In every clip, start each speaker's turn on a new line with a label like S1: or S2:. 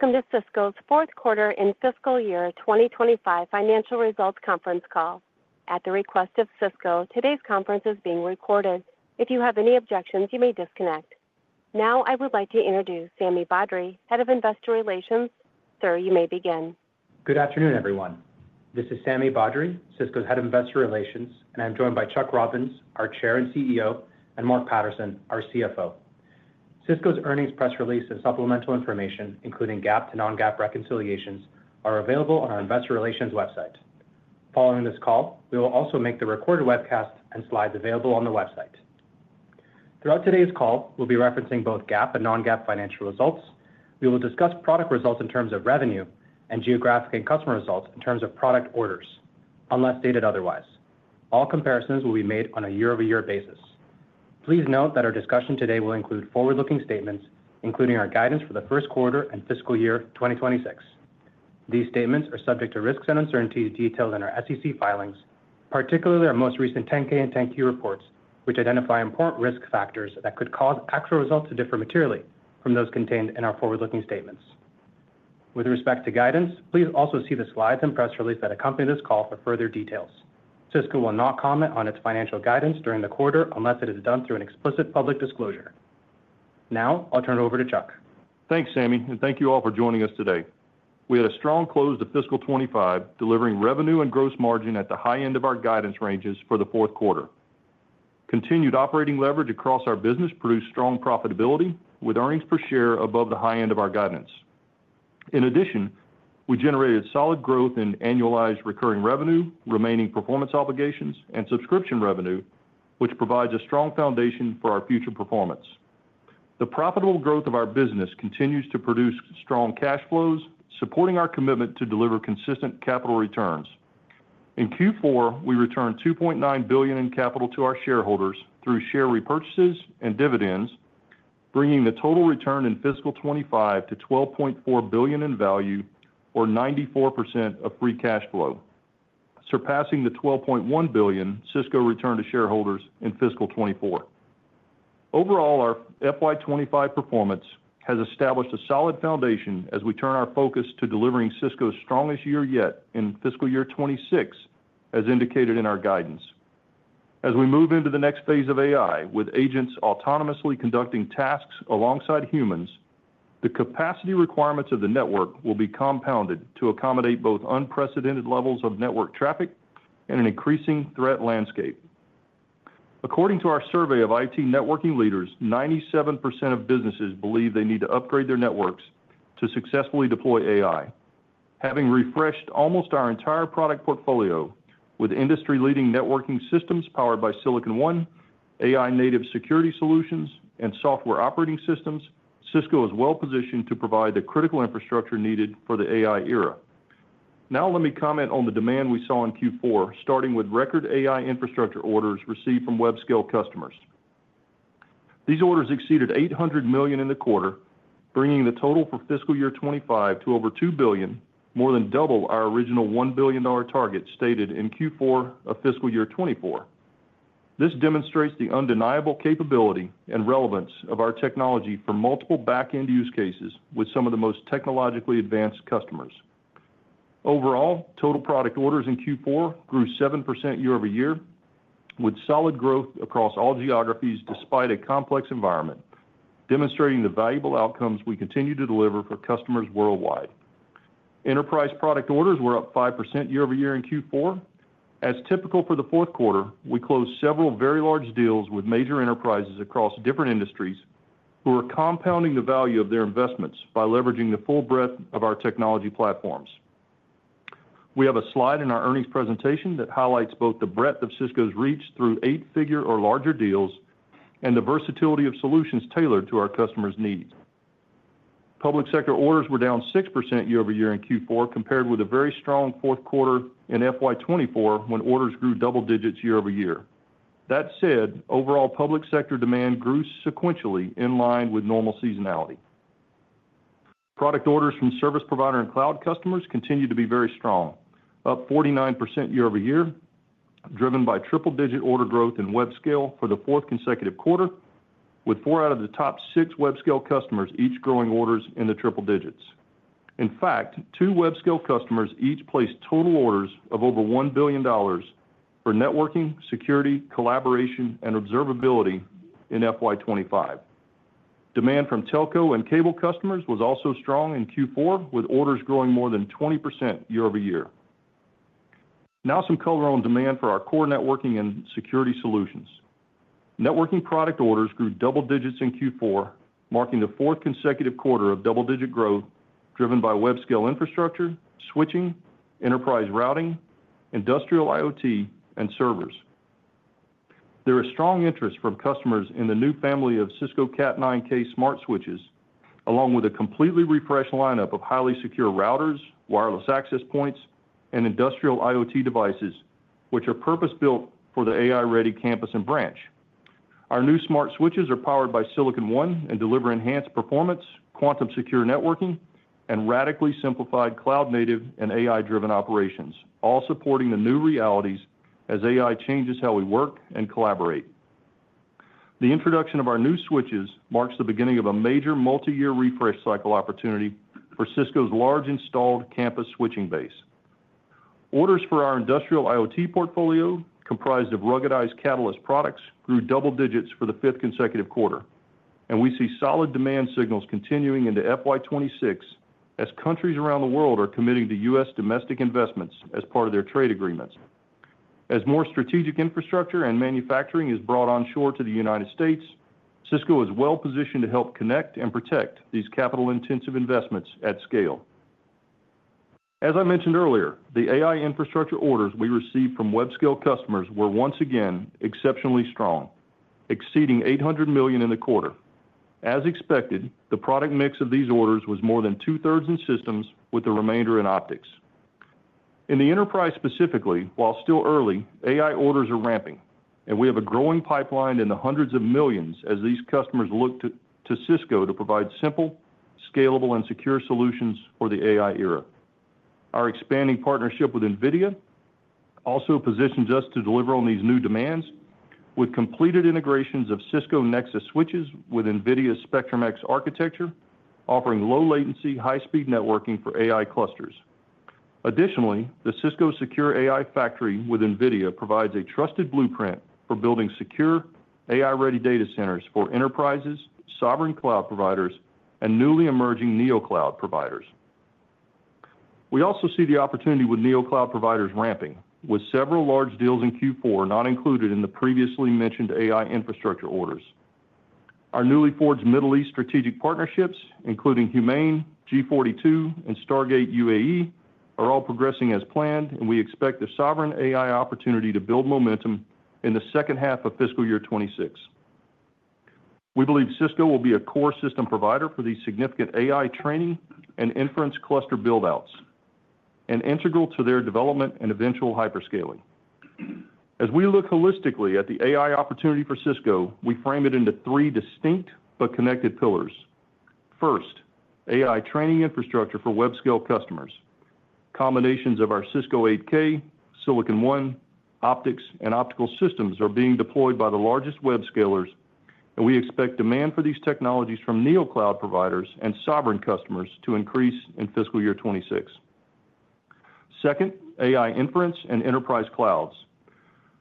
S1: Welcome to Cisco Systems' fourth quarter and fiscal year 2025 financial results conference call. At the request of Cisco Systems, today's conference is being recorded. If you have any objections, you may disconnect. Now, I would like to introduce Sami Badri, Head of Investor Relations. Sir, you may begin.
S2: Good afternoon, everyone. This is Sami Badri, Cisco's Head of Investor Relations, and I'm joined by Chuck Robbins, our Chair and CEO, and Mark Patterson, our CFO. Cisco's earnings press release and supplemental information, including GAAP to non-GAAP reconciliations, are available on our Investor Relations website. Following this call, we will also make the recorded webcast and slides available on the website. Throughout today's call, we'll be referencing both GAAP and non-GAAP financial results. We will discuss product results in terms of revenue and geographic and customer results in terms of product orders, unless stated otherwise. All comparisons will be made on a year-over-year basis. Please note that our discussion today will include forward-looking statements, including our guidance for the first quarter and fiscal year 2026. These statements are subject to risks and uncertainties detailed in our SEC filings, particularly our most recent 10-K and 10-Q reports, which identify important risk factors that could cause actual results to differ materially from those contained in our forward-looking statements. With respect to guidance, please also see the slides and press release that accompany this call for further details. Cisco will not comment on its financial guidance during the quarter unless it is done through an explicit public disclosure. Now, I'll turn it over to Chuck.
S3: Thanks, Sami, and thank you all for joining us today. We had a strong close to fiscal 2025, delivering revenue and gross margin at the high end of our guidance ranges for the fourth quarter. Continued operating leverage across our business produced strong profitability, with earnings per share above the high end of our guidance. In addition, we generated solid growth in annualized recurring revenue, remaining performance obligations, and subscription revenue, which provides a strong foundation for our future performance. The profitable growth of our business continues to produce strong cash flows, supporting our commitment to deliver consistent capital returns. In Q4, we returned $2.9 billion in capital to our shareholders through share repurchases and dividends, bringing the total return in fiscal 2025 to $12.4 billion in value, or 94% of free cash flow, surpassing the $12.1 billion Cisco Systems returned to shareholders in fiscal 2024. Overall, our FY 2025 performance has established a solid foundation as we turn our focus to delivering Cisco Systems' strongest year yet in fiscal year 2026, as indicated in our guidance. As we move into the next phase of AI, with agents autonomously conducting tasks alongside humans, the capacity requirements of the network will be compounded to accommodate both unprecedented levels of network traffic and an increasing threat landscape. According to our survey of IT networking leaders, 97% of businesses believe they need to upgrade their networks to successfully deploy AI. Having refreshed almost our entire product portfolio with industry-leading networking systems powered by Silicon One, AI-native security solutions, and software operating systems, Cisco Systems is well-positioned to provide the critical infrastructure needed for the AI era. Now, let me comment on the demand we saw in Q4, starting with record AI infrastructure orders received from web-scale customers. These orders exceeded $800 million in the quarter, bringing the total for fiscal year 2025 to over $2 billion, more than double our original $1 billion target stated in Q4 of fiscal year 2024. This demonstrates the undeniable capability and relevance of our technology for multiple backend use cases with some of the most technologically advanced customers. Overall, total product orders in Q4 grew 7% year-over-year, with solid growth across all geographies despite a complex environment, demonstrating the valuable outcomes we continue to deliver for customers worldwide. Enterprise product orders were up 5% year-over-year in Q4. As typical for the fourth quarter, we closed several very large deals with major enterprises across different industries who are compounding the value of their investments by leveraging the full breadth of our technology platforms. We have a slide in our earnings presentation that highlights both the breadth of Cisco Systems' reach through eight-figure or larger deals and the versatility of solutions tailored to our customers' needs. Public sector orders were down 6% year-over-year in Q4, compared with a very strong fourth quarter in FY 2024, when orders grew double digits year-over-year. That said, overall public sector demand grew sequentially in line with normal seasonality. Product orders from service provider and cloud customers continue to be very strong, up 49% year-over-year, driven by triple-digit order growth in web-scale for the fourth consecutive quarter, with four out of the top six web-scale customers each growing orders in the triple digits. In fact, two web-scale customers each placed total orders of over $1 billion for networking, security, collaboration, and observability in FY 2025. Demand from telco and cable customers was also strong in Q4, with orders growing more than 20% year-over-year. Now, some color on demand for our core networking and security solutions. Networking product orders grew double digits in Q4, marking the fourth consecutive quarter of double-digit growth, driven by web-scale infrastructure, switching, enterprise routing, industrial IoT, and servers. There is strong interest from customers in the new family of Cisco C9000 Smart Switches, along with a completely refreshed lineup of highly secure routers, wireless access points, and industrial IoT devices, which are purpose-built for the AI-ready campus and branch. Our new smart switches are powered by Silicon One and deliver enhanced performance, quantum-secure networking, and radically simplified cloud-native and AI-driven operations, all supporting the new realities as AI changes how we work and collaborate. The introduction of our new switches marks the beginning of a major multi-year campus refresh cycle opportunity for Cisco Systems' large installed campus switching base. Orders for our industrial IoT portfolio, comprised of ruggedized Catalyst products, grew double digits for the fifth consecutive quarter, and we see solid demand signals continuing into FY 2026, as countries around the world are committing to U.S. domestic investments as part of their trade agreements. As more strategic infrastructure and manufacturing is brought onshore to the United States, Cisco Systems is well-positioned to help connect and protect these capital-intensive investments at scale. As I mentioned earlier, the AI infrastructure orders we received from web-scale customers were once again exceptionally strong, exceeding $800 million in the quarter. As expected, the product mix of these orders was more than two-thirds in systems, with the remainder in optics. In the enterprise specifically, while still early, AI orders are ramping, and we have a growing pipeline in the hundreds of millions as these customers look to Cisco Systems to provide simple, scalable, and secure solutions for the AI era. Our expanding partnership with NVIDIA also positions us to deliver on these new demands, with completed integrations of Cisco Nexus switches with NVIDIA's Spectrum-X architecture, offering low-latency, high-speed networking for AI clusters. Additionally, the Cisco Secure AI Factory with NVIDIA provides a trusted blueprint for building secure, AI-ready data centers for enterprises, sovereign cloud providers, and newly emerging NeoCloud providers. We also see the opportunity with NeoCloud providers ramping, with several large deals in Q4 not included in the previously mentioned AI infrastructure orders. Our newly forged Middle East strategic partnerships, including Humane, G42, and Stargate UAE, are all progressing as planned, and we expect a sovereign AI opportunity to build momentum in the second half of fiscal year 2026. We believe Cisco Systems will be a core system provider for these significant AI training and inference cluster buildouts, and integral to their development and eventual hyperscaling. As we look holistically at the AI opportunity for Cisco Systems, we frame it into three distinct but connected pillars. First, AI training infrastructure for web-scale customers. Combinations of our Cisco 8K, Silicon One, optics, and optical systems are being deployed by the largest web scalers, and we expect demand for these technologies from NeoCloud providers and sovereign customers to increase in fiscal year 2026. Second, AI inference and enterprise clouds.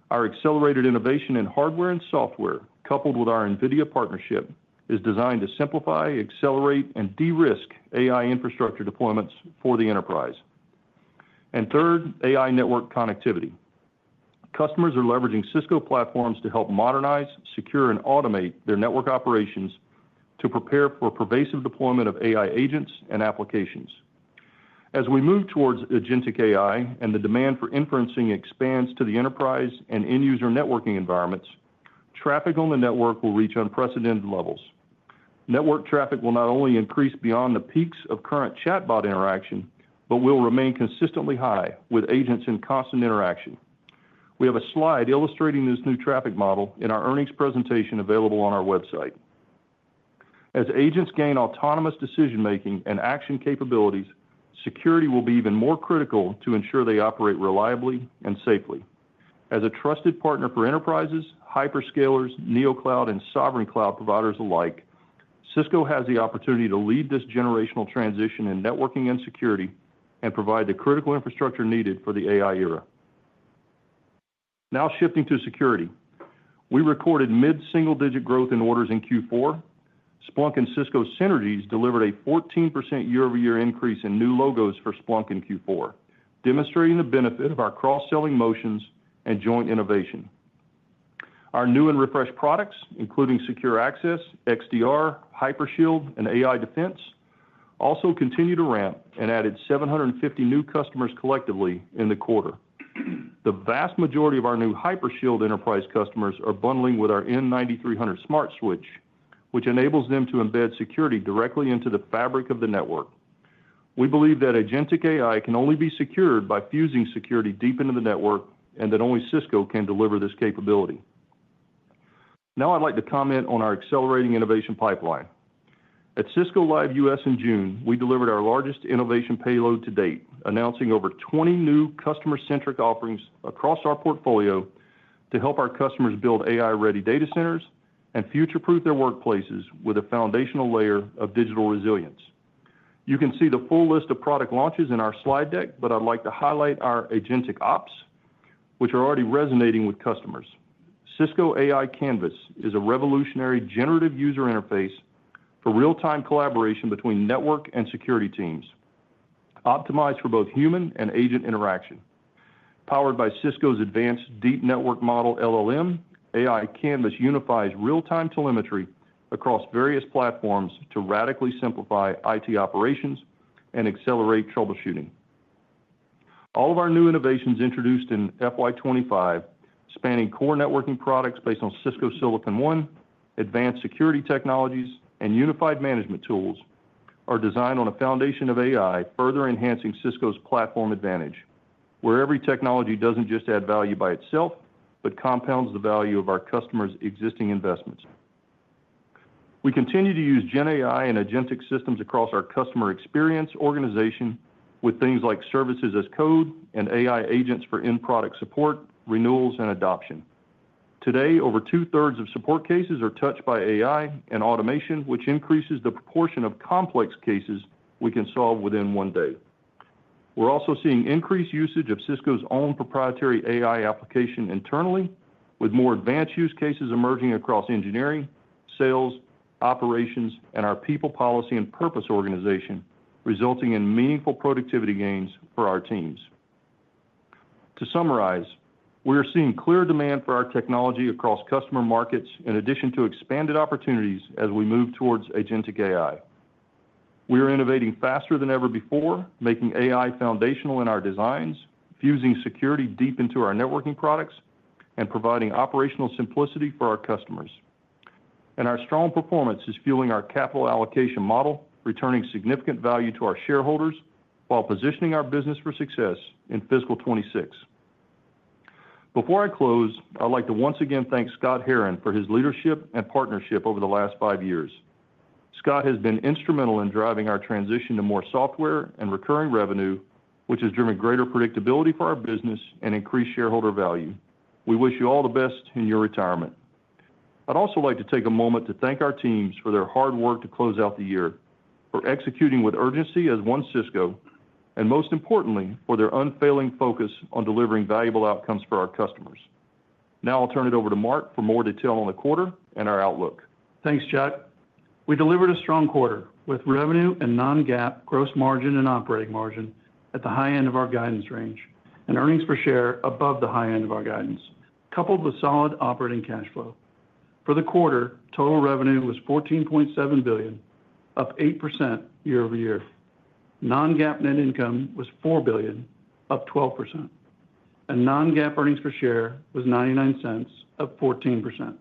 S3: Our accelerated innovation in hardware and software, coupled with our NVIDIA partnership, is designed to simplify, accelerate, and de-risk AI infrastructure deployments for the enterprise. Third, AI network connectivity. Customers are leveraging Cisco platforms to help modernize, secure, and automate their network operations to prepare for pervasive deployment of AI agents and applications. As we move towards agentic AI and the demand for inferencing expands to the enterprise and end-user networking environments, traffic on the network will reach unprecedented levels. Network traffic will not only increase beyond the peaks of current chatbot interaction, but will remain consistently high with agents in constant interaction. We have a slide illustrating this new traffic model in our earnings presentation available on our website. As agents gain autonomous decision-making and action capabilities, security will be even more critical to ensure they operate reliably and safely. As a trusted partner for enterprises, hyperscalers, NeoCloud, and sovereign cloud providers alike, Cisco has the opportunity to lead this generational transition in networking and security and provide the critical infrastructure needed for the AI era. Now, shifting to security, we recorded mid-single-digit growth in orders in Q4. Splunk and Cisco synergies delivered a 14% year-over-year increase in new logos for Splunk in Q4, demonstrating the benefit of our cross-selling motions and joint innovation. Our new and refreshed products, including Secure Access SSE, XDR, HyperShield, and AI Defense, also continue to ramp and added 750 new customers collectively in the quarter. The vast majority of our new HyperShield enterprise customers are bundling with our N9300 smart switch, which enables them to embed security directly into the fabric of the network. We believe that agentic AI can only be secured by fusing security deep into the network, and that only Cisco can deliver this capability. Now, I'd like to comment on our accelerating innovation pipeline. At Cisco Live US in June, we delivered our largest innovation payload to date, announcing over 20 new customer-centric offerings across our portfolio to help our customers build AI-ready data centers and future-proof their workplaces with a foundational layer of digital resilience. You can see the full list of product launches in our slide deck, but I'd like to highlight our agentic ops, which are already resonating with customers. Cisco AI Canvas is a revolutionary generative user interface for real-time collaboration between network and security teams, optimized for both human and agent interaction. Powered by Cisco's advanced deep network model LLM, AI Canvas unifies real-time telemetry across various platforms to radically simplify IT operations and accelerate troubleshooting. All of our new innovations introduced in FY 2025, spanning core networking products based on Cisco Silicon One, advanced security technologies, and unified management tools, are designed on a foundation of AI, further enhancing Cisco's platform advantage, where every technology doesn't just add value by itself, but compounds the value of our customers' existing investments. We continue to use GenAI and agentic systems across our customer experience organization with things like services as code and AI agents for in-product support, renewals, and adoption. Today, over two-thirds of support cases are touched by AI and automation, which increases the proportion of complex cases we can solve within one day. We're also seeing increased usage of Cisco's own proprietary AI application internally, with more advanced use cases emerging across engineering, sales, operations, and our People Policy and Purpose organization, resulting in meaningful productivity gains for our teams. To summarize, we are seeing clear demand for our technology across customer markets, in addition to expanded opportunities as we move towards agentic AI. We are innovating faster than ever before, making AI foundational in our designs, fusing security deep into our networking products, and providing operational simplicity for our customers. Our strong performance is fueling our capital allocation model, returning significant value to our shareholders while positioning our business for success in fiscal 2026. Before I close, I'd like to once again thank Scott Herren for his leadership and partnership over the last five years. Scott has been instrumental in driving our transition to more software and recurring revenue, which has driven greater predictability for our business and increased shareholder value. We wish you all the best in your retirement. I'd also like to take a moment to thank our teams for their hard work to close out the year, for executing with urgency as one Cisco, and most importantly, for their unfailing focus on delivering valuable outcomes for our customers. Now, I'll turn it over to Mark for more detail on the quarter and our outlook.
S4: Thanks, Chuck. We delivered a strong quarter with revenue and non-GAAP gross margin and operating margin at the high end of our guidance range and earnings per share above the high end of our guidance, coupled with solid operating cash flow. For the quarter, total revenue was $14.7 billion, up 8% year-over-year. Non-GAAP net income was $4 billion, up 12%, and non-GAAP earnings per share was $0.99, up 14%,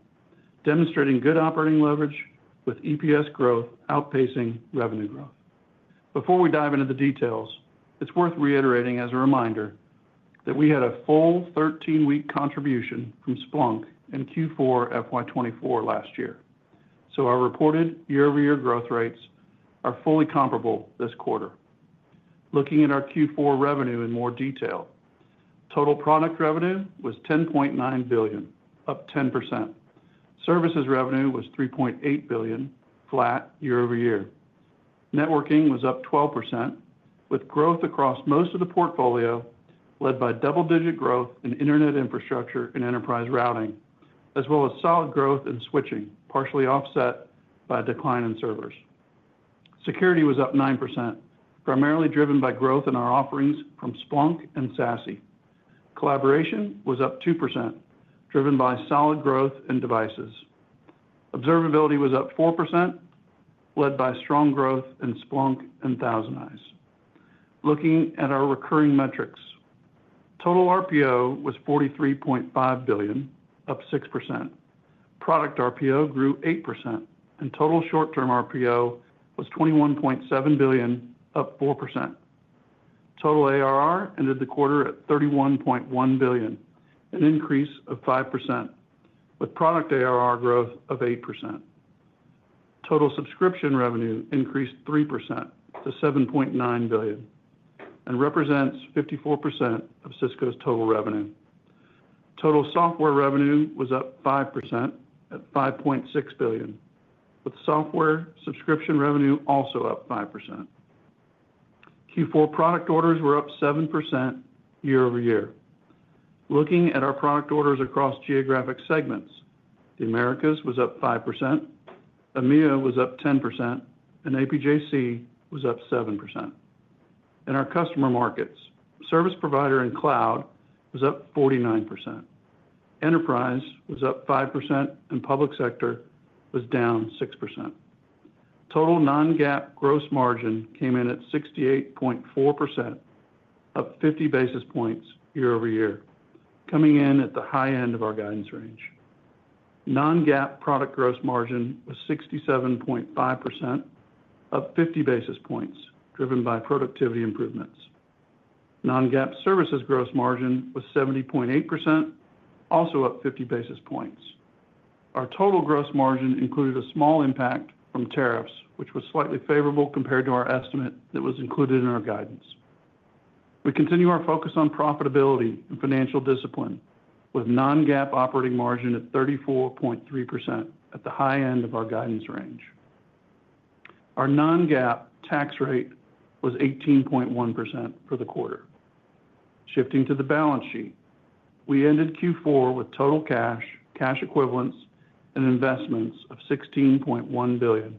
S4: demonstrating good operating leverage with EPS growth outpacing revenue growth. Before we dive into the details, it's worth reiterating as a reminder that we had a full 13-week contribution from Splunk in Q4 FY 2024 last year, so our reported year-over-year growth rates are fully comparable this quarter. Looking at our Q4 revenue in more detail, total product revenue was $10.9 billion, up 10%. Services revenue was $3.8 billion, flat year-over-year. Networking was up 12%, with growth across most of the portfolio led by double-digit growth in internet infrastructure and enterprise routing, as well as solid growth in switching, partially offset by a decline in servers. Security was up 9%, primarily driven by growth in our offerings from Splunk and SASE. Collaboration was up 2%, driven by solid growth in devices. Observability was up 4%, led by strong growth in Splunk and ThousandEyes. Looking at our recurring metrics, total RPO was $43.5 billion, up 6%. Product RPO grew 8%, and total short-term RPO was $21.7 billion, up 4%. Total ARR ended the quarter at $31.1 billion, an increase of 5%, with product ARR growth of 8%. Total subscription revenue increased 3% to $7.9 billion and represents 54% of Cisco Systems' total revenue. Total software revenue was up 5% at $5.6 billion, with software subscription revenue also up 5%. Q4 product orders were up 7% year-over-year. Looking at our product orders across geographic segments, the Americas was up 5%, EMEA was up 10%, and APJC was up 7%. In our customer markets, service provider and cloud was up 49%, enterprise was up 5%, and public sector was down 6%. Total non-GAAP gross margin came in at 68.4%, up 50 basis points year-over-year, coming in at the high end of our guidance range. Non-GAAP product gross margin was 67.5%, up 50 basis points, driven by productivity improvements. Non-GAAP services gross margin was 70.8%, also up 50 basis points. Our total gross margin included a small impact from tariffs, which was slightly favorable compared to our estimate that was included in our guidance. We continue our focus on profitability and financial discipline, with non-GAAP operating margin at 34.3% at the high end of our guidance range. Our non-GAAP tax rate was 18.1% for the quarter. Shifting to the balance sheet, we ended Q4 with total cash, cash equivalents, and investments of $16.1 billion.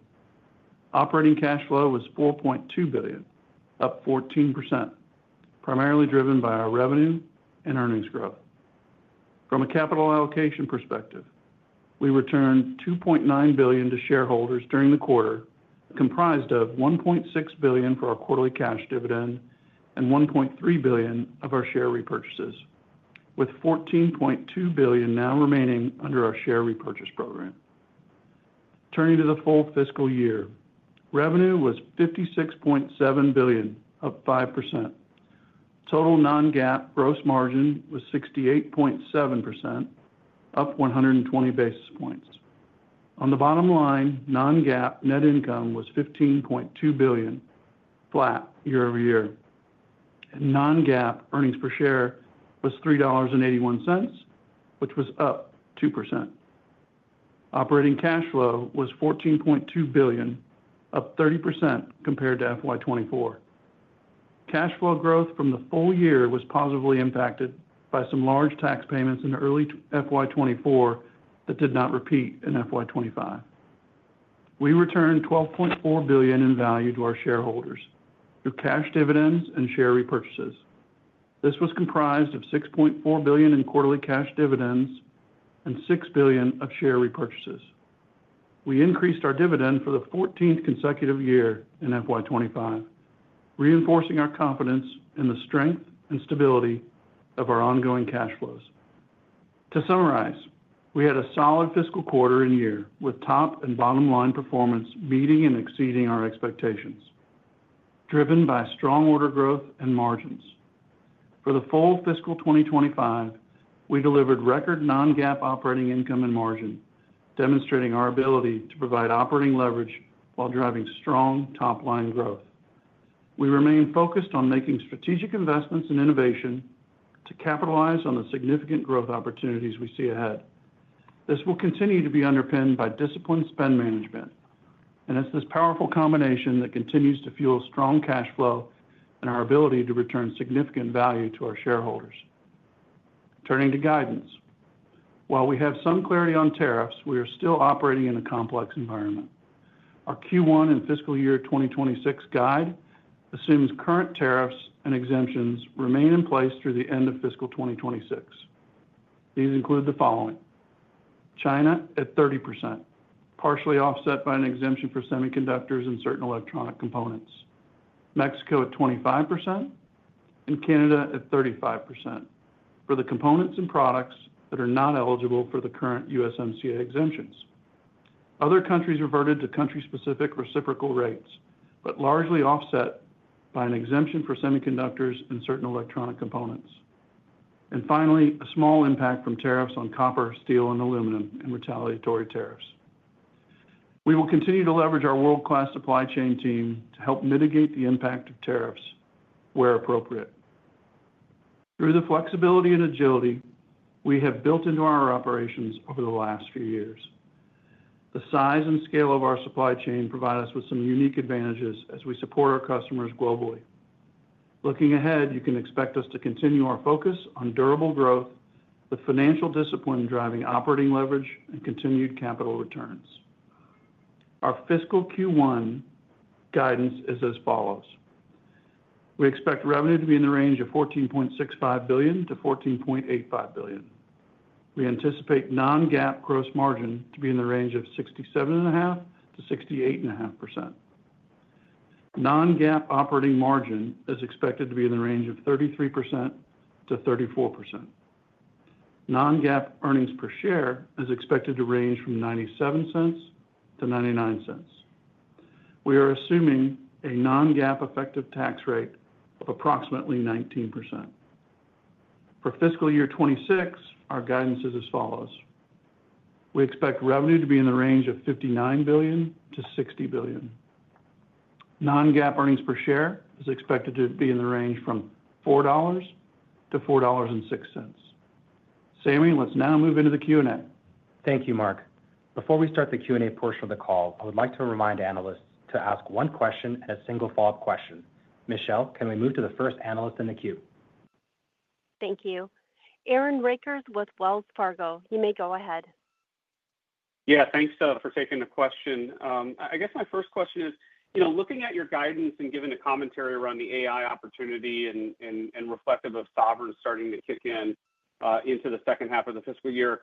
S4: Operating cash flow was $4.2 billion, up 14%, primarily driven by our revenue and earnings growth. From a capital allocation perspective, we returned $2.9 billion to shareholders during the quarter, comprised of $1.6 billion for our quarterly cash dividend and $1.3 billion of our share repurchases, with $14.2 billion now remaining under our share repurchase program. Turning to the full fiscal year, revenue was $56.7 billion, up 5%. Total non-GAAP gross margin was 68.7%, up 120 basis points. On the bottom line, non-GAAP net income was $15.2 billion, flat year-over-year, and non-GAAP earnings per share was $3.81, which was up 2%. Operating cash flow was $14.2 billion, up 30% compared to FY 2024. Cash flow growth from the full year was positively impacted by some large tax payments in early FY 2024 that did not repeat in FY 2025. We returned $12.4 billion in value to our shareholders through cash dividends and share repurchases. This was comprised of $6.4 billion in quarterly cash dividends and $6 billion of share repurchases. We increased our dividend for the 14th consecutive year in FY 2025, reinforcing our confidence in the strength and stability of our ongoing cash flows. To summarize, we had a solid fiscal quarter and year with top and bottom line performance meeting and exceeding our expectations, driven by strong order growth and margins. For the full fiscal 2025, we delivered record non-GAAP operating income and margin, demonstrating our ability to provide operating leverage while driving strong top line growth. We remain focused on making strategic investments in innovation to capitalize on the significant growth opportunities we see ahead. This will continue to be underpinned by disciplined spend management, and it's this powerful combination that continues to fuel strong cash flow and our ability to return significant value to our shareholders. Turning to guidance, while we have some clarity on tariffs, we are still operating in a complex environment. Our Q1 and fiscal year 2026 guide assumes current tariffs and exemptions remain in place through the end of fiscal 2026. These include the following: China at 30%, partially offset by an exemption for semiconductors and certain electronic components, Mexico at 25%, and Canada at 35% for the components and products that are not eligible for the current USMCA exemptions. Other countries reverted to country-specific reciprocal rates, but largely offset by an exemption for semiconductors and certain electronic components. Finally, a small impact from tariffs on copper, steel, and aluminum and retaliatory tariffs. We will continue to leverage our world-class supply chain team to help mitigate the impact of tariffs where appropriate. Through the flexibility and agility we have built into our operations over the last few years, the size and scale of our supply chain provide us with some unique advantages as we support our customers globally. Looking ahead, you can expect us to continue our focus on durable growth with financial discipline driving operating leverage and continued capital returns. Our fiscal Q1 guidance is as follows: We expect revenue to be in the range of $14.65 billion-$14.85 billion. We anticipate non-GAAP gross margin to be in the range of 67.5%-68.5%. Non-GAAP operating margin is expected to be in the range of 33%-34%. Non-GAAP earnings per share is expected to range from $0.97-$0.99. We are assuming a non-GAAP effective tax rate of approximately 19%. For fiscal year 2026, our guidance is as follows: We expect revenue to be in the range of $59 billion-$60 billion. Non-GAAP earnings per share is expected to be in the range from $4-$4.06. Sami, let's now move into the Q&A.
S2: Thank you, Mark. Before we start the Q&A portion of the call, I would like to remind analysts to ask one question and a single follow-up question. Michelle, can we move to the first analyst in the queue?
S1: Thank you. Aaron Rakers with Wells Fargo, you may go ahead.
S5: Yeah, thanks for taking the question. I guess my first question is, you know, looking at your guidance and given the commentary around the AI opportunity and reflective of sovereign starting to kick in into the second half of the fiscal year,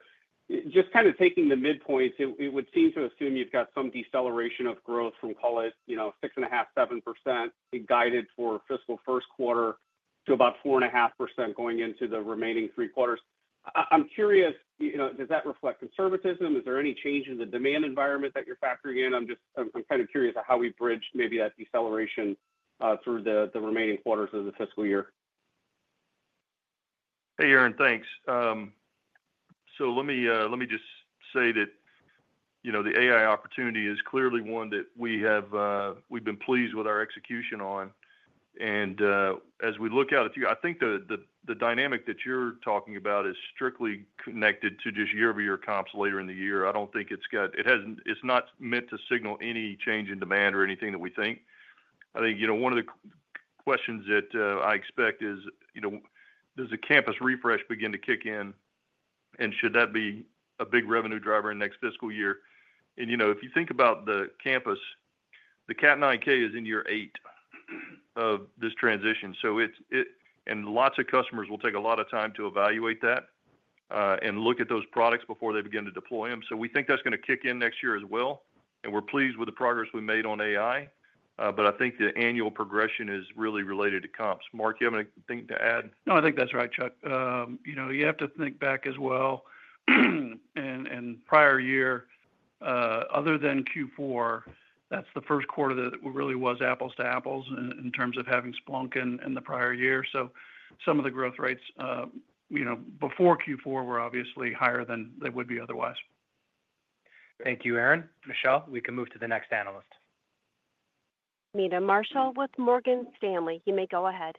S5: just kind of taking the midpoints, it would seem to assume you've got some deceleration of growth from, call it, you know, 6.5%-7.5%, guided for fiscal first quarter to about 4.5% going into the remaining three quarters. I'm curious, you know, does that reflect conservatism? Is there any change in the demand environment that you're factoring in? I'm just, I'm kind of curious at how we bridge maybe that deceleration through the remaining quarters of the fiscal year.
S3: Hey, Aaron, thanks. Let me just say that the AI opportunity is clearly one that we've been pleased with our execution on. As we look out at you, I think the dynamic that you're talking about is strictly connected to just year-over-year comps later in the year. I don't think it's got, it hasn't, it's not meant to signal any change in demand or anything that we think. I think one of the questions that I expect is, does the campus refresh begin to kick in, and should that be a big revenue driver in the next fiscal year? If you think about the campus, the Cat 9K is in year eight of this transition. Lots of customers will take a lot of time to evaluate that and look at those products before they begin to deploy them. We think that's going to kick in next year as well. We're pleased with the progress we made on AI. I think the annual progression is really related to comps. Mark, do you have anything to add?
S4: No, I think that's right, Chuck. You have to think back as well. In the prior year, other than Q4, that's the first quarter that really was apples to apples in terms of having Splunk in the prior year. Some of the growth rates before Q4 were obviously higher than they would be otherwise.
S2: Thank you, Aaron. Michelle, we can move to the next analyst.
S1: Meta Marshall with Morgan Stanley, you may go ahead.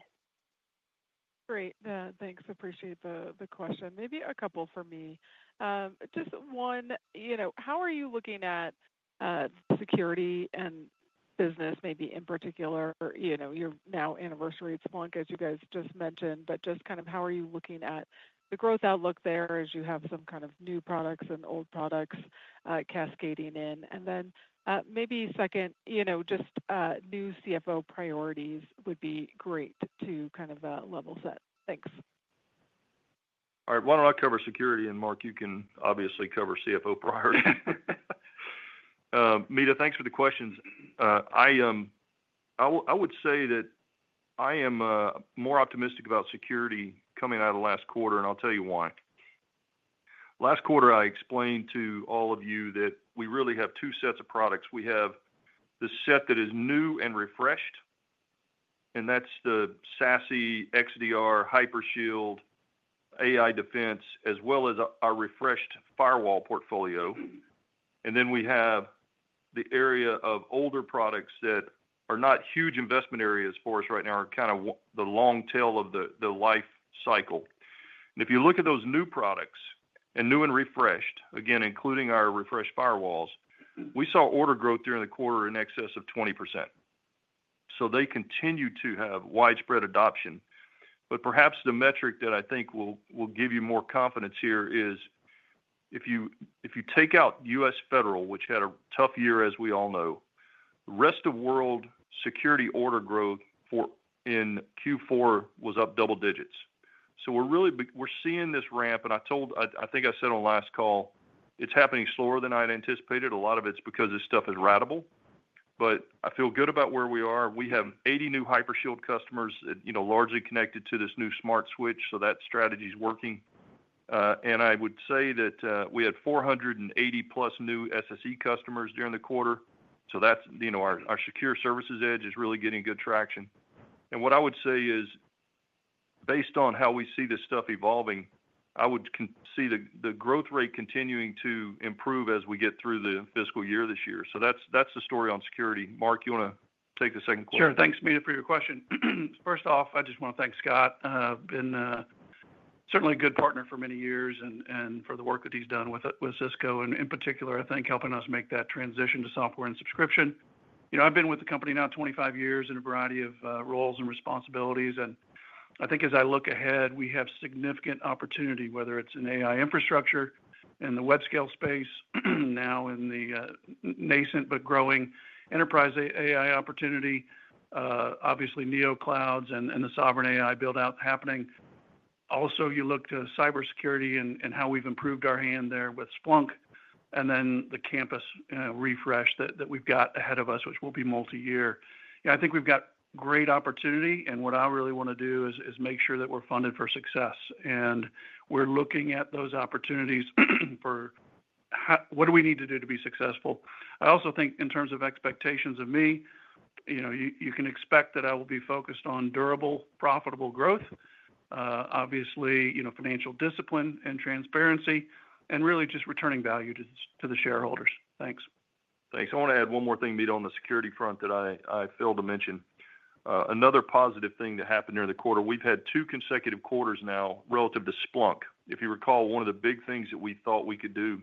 S6: Great. Thanks. I appreciate the question. Maybe a couple for me. Just one, you know, how are you looking at security and business, maybe in particular, you know, your now anniversary at Splunk, as you guys just mentioned, but just kind of how are you looking at the growth outlook there as you have some kind of new products and old products cascading in? Then maybe second, you know, just new CFO priorities would be great to kind of level set. Thanks.
S3: All right, why don't I cover security and Mark, you can obviously cover CFO priorities. Meta, thanks for the questions. I would say that I am more optimistic about security coming out of the last quarter, and I'll tell you why. Last quarter, I explained to all of you that we really have two sets of products. We have the set that is new and refreshed, and that's the SASE, XDR, HyperShield, AI Defense, as well as our refreshed firewall portfolio. Then we have the area of older products that are not huge investment areas for us right now, are kind of the long tail of the life cycle. If you look at those new products and new and refreshed, again, including our refreshed firewalls, we saw order growth during the quarter in excess of 20%. They continue to have widespread adoption. Perhaps the metric that I think will give you more confidence here is if you take out U.S. Federal, which had a tough year, as we all know, the rest of the world security order growth in Q4 was up double digits. We are really, we are seeing this ramp. I think I said on the last call, it's happening slower than I had anticipated. A lot of it's because this stuff is ratable. I feel good about where we are. We have 80 new HyperShield customers, you know, largely connected to this new smart switch. That strategy is working. I would say that we had 480+ new SSE customers during the quarter. That's, you know, our secure services edge is really getting good traction. What I would say is, based on how we see this stuff evolving, I would see the growth rate continuing to improve as we get through the fiscal year this year. That's the story on security. Mark, you want to take the second question?
S4: Sure. Thanks, Meta, for your question. First off, I just want to thank Scott. He's been certainly a good partner for many years and for the work that he's done with Cisco Systems. In particular, I think helping us make that transition to software and subscription. I've been with the company now 25 years in a variety of roles and responsibilities. I think as I look ahead, we have significant opportunity, whether it's in AI infrastructure, in the web-scale space, now in the nascent but growing enterprise AI opportunity, obviously NeoClouds and the sovereign AI buildout happening. Also, you look to cybersecurity and how we've improved our hand there with Splunk and then the campus refresh that we've got ahead of us, which will be multi-year. I think we've got great opportunity. What I really want to do is make sure that we're funded for success. We're looking at those opportunities for what do we need to do to be successful. I also think in terms of expectations of me, you can expect that I will be focused on durable, profitable growth, obviously, financial discipline and transparency, and really just returning value to the shareholders. Thanks.
S3: Thanks. I want to add one more thing, Meta, on the security front that I failed to mention. Another positive thing that happened during the quarter, we've had two consecutive quarters now relative to Splunk. If you recall, one of the big things that we thought we could do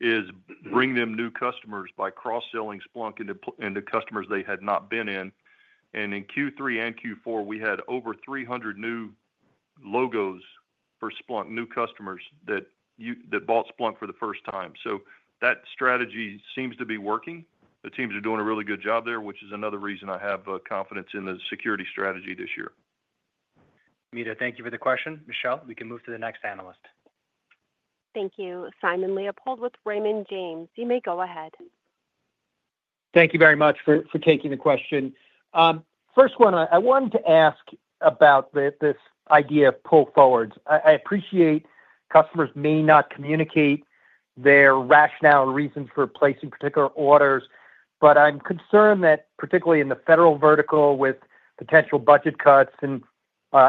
S3: is bring them new customers by cross-selling Splunk into customers they had not been in. In Q3 and Q4, we had over 300 new logos for Splunk, new customers that bought Splunk for the first time. That strategy seems to be working. It seems to be doing a really good job there, which is another reason I have confidence in the security strategy this year.
S2: Meta, thank you for the question. Michelle, we can move to the next analyst.
S1: Thank you. Simon Leopold with Raymond James. You may go ahead.
S7: Thank you very much for taking the question. First one, I wanted to ask about this idea of pull forwards. I appreciate customers may not communicate their rationale and reasons for placing particular orders, but I'm concerned that particularly in the federal vertical with potential budget cuts and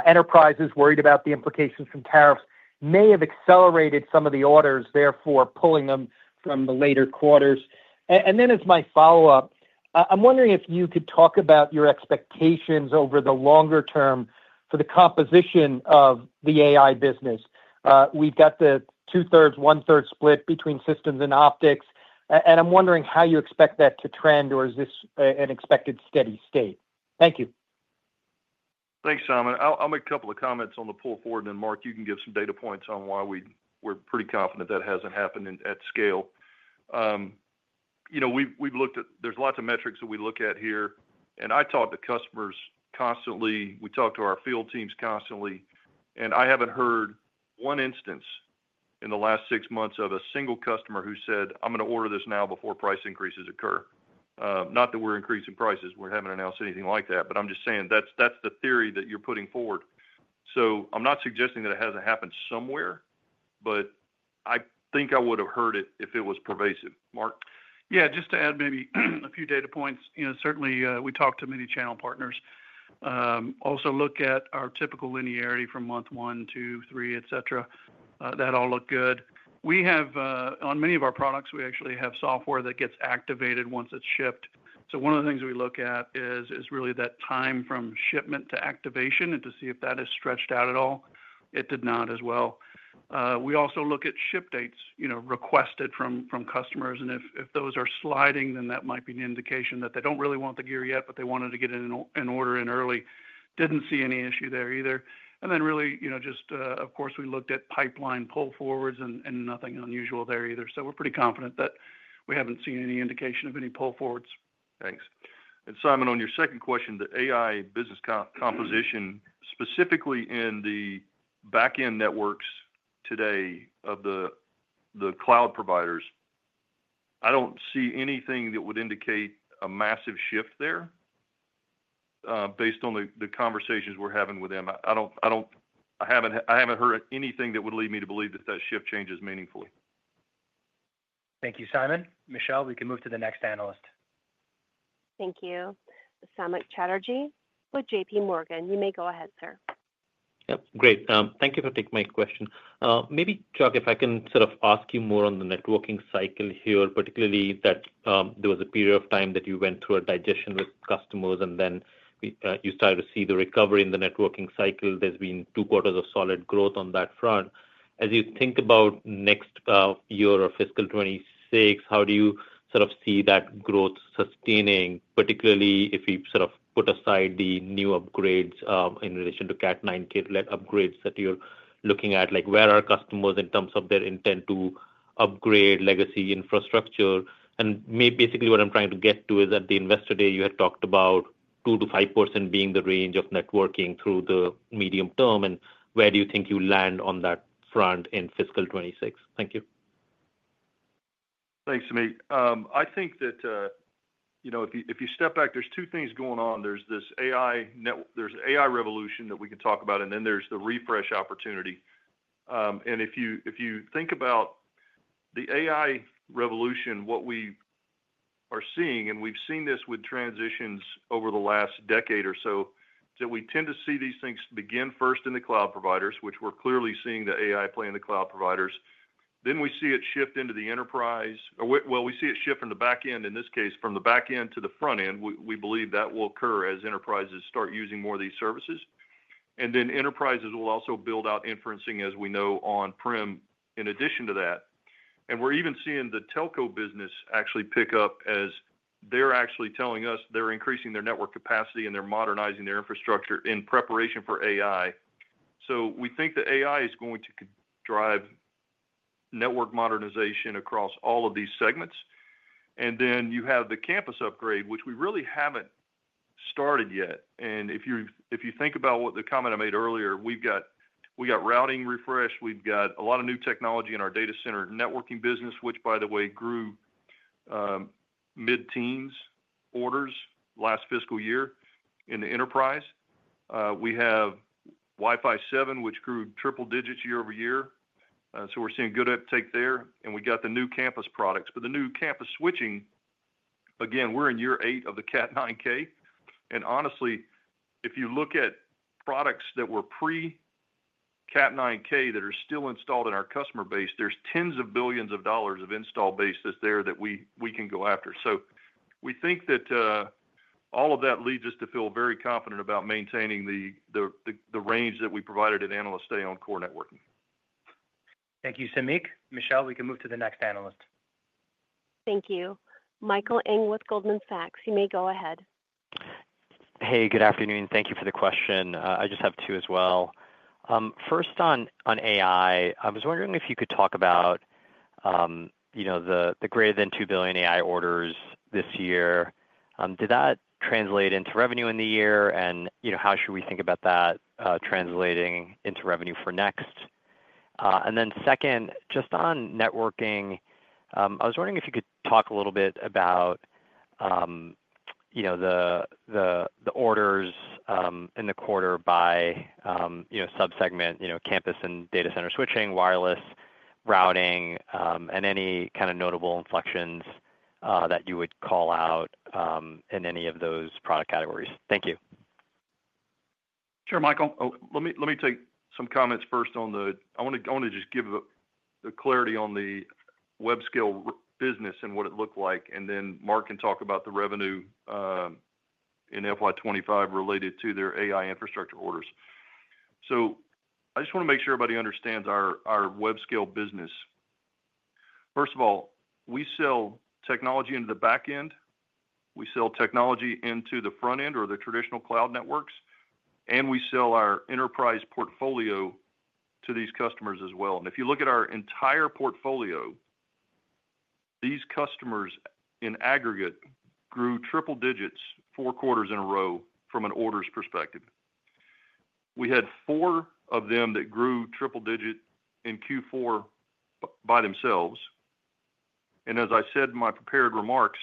S7: enterprises worried about the implications from tariffs may have accelerated some of the orders, therefore pulling them from the later quarters. As my follow-up, I'm wondering if you could talk about your expectations over the longer term for the composition of the AI business. We've got the two-thirds, one-third split between systems and optics, and I'm wondering how you expect that to trend, or is this an expected steady state? Thank you.
S3: Thanks, Simon. I'll make a couple of comments on the pull forward, and Mark, you can give some data points on why we're pretty confident that hasn't happened at scale. We've looked at, there's lots of metrics that we look at here, and I talk to customers constantly. We talk to our field teams constantly, and I haven't heard one instance in the last six months of a single customer who said, "I'm going to order this now before price increases occur." Not that we're increasing prices, we haven't announced anything like that, but I'm just saying that's the theory that you're putting forward. I'm not suggesting that it hasn't happened somewhere, but I think I would have heard it if it was pervasive. Mark?
S4: Yeah, just to add maybe a few data points, you know, certainly we talk to many channel partners. Also, look at our typical linearity from month one, two, three, et cetera. That all looked good. We have, on many of our products, we actually have software that gets activated once it's shipped. One of the things we look at is really that time from shipment to activation and to see if that is stretched out at all. It did not as well. We also look at ship dates, you know, requested from customers, and if those are sliding, that might be an indication that they don't really want the gear yet, but they wanted to get an order in early. Didn't see any issue there either. Of course, we looked at pipeline pull forwards and nothing unusual there either. We're pretty confident that we haven't seen any indication of any pull forwards.
S3: Thanks. On your second question, the AI business composition specifically in the backend networks today of the cloud providers, I don't see anything that would indicate a massive shift there based on the conversations we're having with them. I haven't heard anything that would lead me to believe that that shift changes meaningfully.
S2: Thank you, Simon. Michelle, we can move to the next analyst.
S1: Thank you. Samik Chatterjee with J.P. Morgan. You may go ahead, sir.
S8: Yep, great. Thank you for taking my question. Maybe Chuck, if I can sort of ask you more on the networking cycle here, particularly that there was a period of time that you went through a digestion with customers and then you started to see the recovery in the networking cycle. There's been two quarters of solid growth on that front. As you think about next year or fiscal 2026, how do you sort of see that growth sustaining, particularly if you sort of put aside the new upgrades in relation to Cat 9K upgrades that you're looking at? Like where are customers in terms of their intent to upgrade legacy infrastructure? Basically what I'm trying to get to is that at the investor day you had talked about 2%-5% being the range of networking through the medium term, and where do you think you land on that front in fiscal 2026? Thank you.
S3: Thanks, Sami. I think that, you know, if you step back, there's two things going on. There's this AI revolution that we can talk about, and then there's the refresh opportunity. If you think about the AI revolution, what we are seeing, and we've seen this with transitions over the last decade or so, is that we tend to see these things begin first in the cloud providers, which we're clearly seeing the AI play in the cloud providers. We see it shift into the enterprise, or we see it shift in the backend, in this case from the backend to the frontend. We believe that will occur as enterprises start using more of these services. Enterprises will also build out inferencing, as we know, on-prem in addition to that. We're even seeing the telco business actually pick up as they're actually telling us they're increasing their network capacity and they're modernizing their infrastructure in preparation for AI. We think the AI is going to drive network modernization across all of these segments. You have the campus upgrade, which we really haven't started yet. If you think about the comment I made earlier, we've got routing refreshed. We've got a lot of new technology in our data center networking business, which, by the way, grew mid-teens orders last fiscal year in the enterprise. We have Wi-Fi 7, which grew triple digits year-over-year. We're seeing good uptake there. We got the new campus products. The new campus switching, again, we're in year eight of the Cat 9K. Honestly, if you look at products that were pre-Cat 9K that are still installed in our customer base, there's tens of billions of dollars of install base that's there that we can go after. We think that all of that leads us to feel very confident about maintaining the range that we provided in analysts today on core networking.
S2: Thank you, Sami. Michelle, we can move to the next analyst.
S1: Thank you. Michael Ng with Goldman Sachs. You may go ahead.
S9: Hey, good afternoon. Thank you for the question. I just have two as well. First on AI, I was wondering if you could talk about the greater than $2 billion AI orders this year. Did that translate into revenue in the year? How should we think about that translating into revenue for next? Second, just on networking, I was wondering if you could talk a little bit about the orders in the quarter by subsegment, campus and data center switching, wireless routing, and any kind of notable inflections that you would call out in any of those product categories. Thank you.
S3: Sure, Michael. Let me take some comments first. I want to just give the clarity on the web-scale business and what it looked like. Mark can talk about the revenue in FY 2025 related to their AI infrastructure orders. I just want to make sure everybody understands our web-scale business. First of all, we sell technology into the backend. We sell technology into the frontend or the traditional cloud networks. We sell our enterprise portfolio to these customers as well. If you look at our entire portfolio, these customers in aggregate grew triple digits four quarters in a row from an orders perspective. We had four of them that grew triple digit in Q4 by themselves. As I said in my prepared remarks,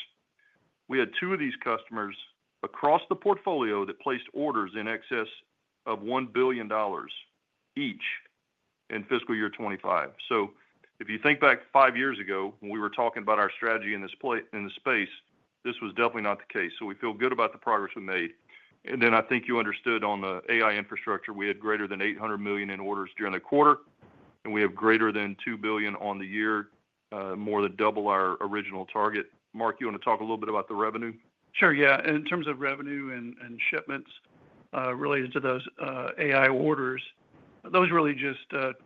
S3: we had two of these customers across the portfolio that placed orders in excess of $1 billion each in fiscal year 2025. If you think back five years ago when we were talking about our strategy in this space, this was definitely not the case. We feel good about the progress we made. I think you understood on the AI infrastructure, we had greater than $800 million in orders during the quarter. We have greater than $2 billion on the year, more than double our original target. Mark, you want to talk a little bit about the revenue?
S4: Sure, yeah. In terms of revenue and shipments related to those AI orders, those really just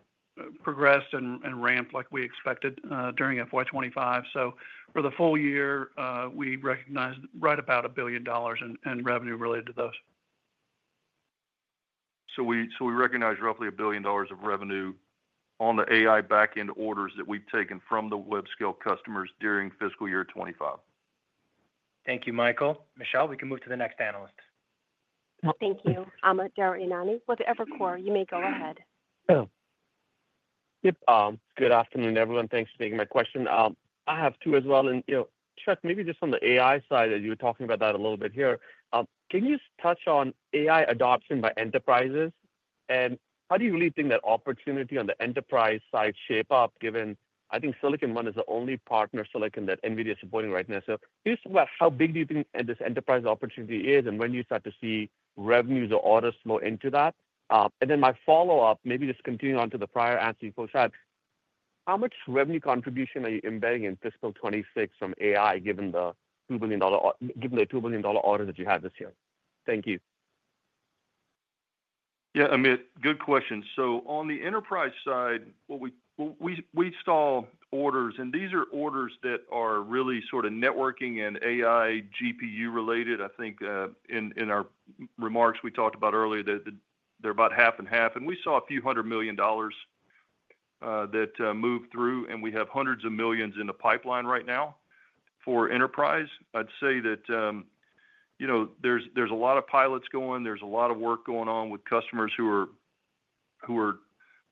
S4: progressed and ramped like we expected during FY 2025. For the full year, we recognized right about $1 billion in revenue related to those.
S3: We recognize roughly $1 billion of revenue on the AI backend orders that we've taken from the web-scale customers during fiscal year 2025.
S2: Thank you, Michael. Michelle, we can move to the next analyst.
S1: Thank you. Amit Daryanani with Evercore, you may go ahead.
S10: Yep. Good afternoon, everyone. Thanks for taking my question. I have two as well. Chuck, maybe just on the AI side that you were talking about a little bit here, can you touch on AI adoption by enterprises? How do you really think that opportunity on the enterprise side shapes up, given I think Silicon One is the only partner of Silicon that NVIDIA is supporting right now? Can you just talk about how big you think this enterprise opportunity is and when you start to see revenues or orders flow into that? My follow-up, maybe just continuing on to the prior answer you posted, how much revenue contribution are you embedding in fiscal 2026 from AI, given the $2 billion orders that you had this year? Thank you.
S3: Yeah, Amit, good question. On the enterprise side, what we saw, orders, and these are orders that are really sort of networking and AI GPU related. I think in our remarks we talked about earlier that they're about half and half. We saw a few hundred million dollars that moved through, and we have hundreds of millions in the pipeline right now for enterprise. I'd say that there's a lot of pilots going. There's a lot of work going on with customers who are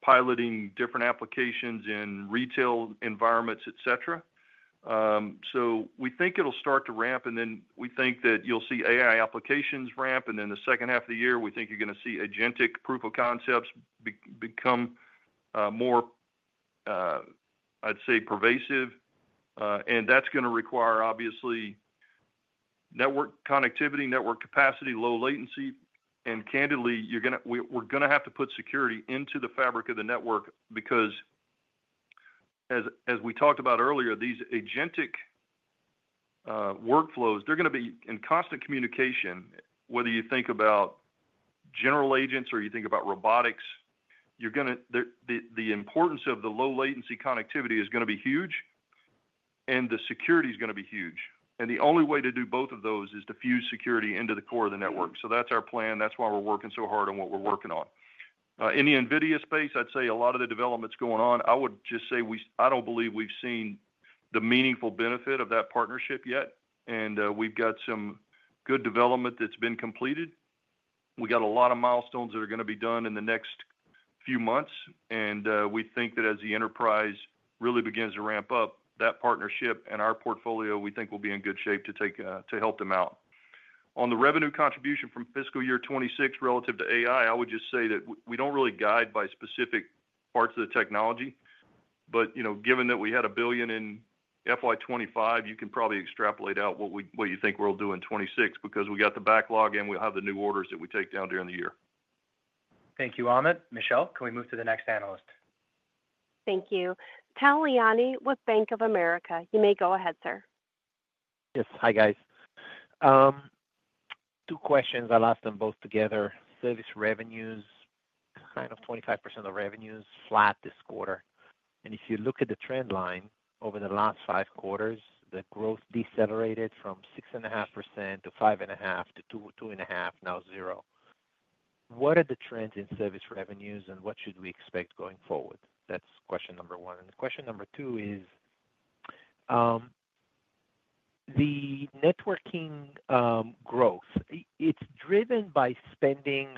S3: piloting different applications in retail environments, et cetera. We think it'll start to ramp, and we think that you'll see AI applications ramp. In the second half of the year, we think you're going to see agentic proof of concepts become more, I'd say, pervasive. That's going to require, obviously, network connectivity, network capacity, low latency. Candidly, we're going to have to put security into the fabric of the network because, as we talked about earlier, these agentic workflows, they're going to be in constant communication. Whether you think about general agents or you think about robotics, the importance of the low latency connectivity is going to be huge, and the security is going to be huge. The only way to do both of those is to fuse security into the core of the network. That's our plan. That's why we're working so hard on what we're working on. In the NVIDIA space, I'd say a lot of the development's going on. I would just say I don't believe we've seen the meaningful benefit of that partnership yet. We've got some good development that's been completed. We got a lot of milestones that are going to be done in the next few months. We think that as the enterprise really begins to ramp up, that partnership and our portfolio, we think we'll be in good shape to help them out. On the revenue contribution from fiscal year 2026 relative to AI, I would just say that we don't really guide by specific parts of the technology. Given that we had $1 billion in FY 2025, you can probably extrapolate out what you think we'll do in 2026 because we got the backlog and we'll have the new orders that we take down during the year.
S2: Thank you, Sami. Michelle, can we move to the next analyst?
S1: Thank you. Tal Liani with Bank of America. You may go ahead, sir.
S11: Yes. Hi, guys. Two questions. I'll ask them both together. Service revenues, kind of 25% of revenues, flat this quarter. If you look at the trend line over the last five quarters, the growth decelerated from 6.5% to 5.5% to 2.5%, now 0%. What are the trends in service revenues and what should we expect going forward? That's question number one. Question number two is the networking growth. It's driven by spending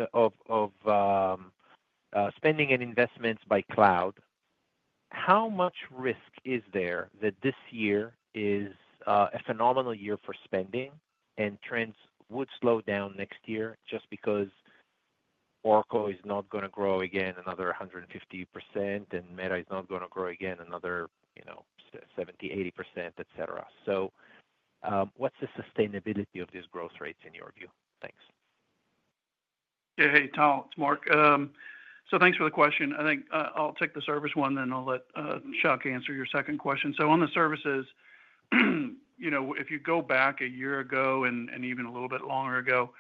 S11: and investments by cloud. How much risk is there that this year is a phenomenal year for spending and trends would slow down next year just because Oracle is not going to grow again another 150% and Meta is not going to grow again another, you know, 70%, 80%, etc.? What's the sustainability of these growth rates in your view? Thanks.
S4: Yeah, hey Tal, it's Mark. Thanks for the question. I think I'll take the service one and then I'll let Chuck answer your second question. On the services, if you go back a year ago and even a little bit longer ago,